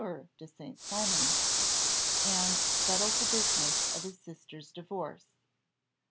de St. Cymon, and settle the business of the sister's divorce.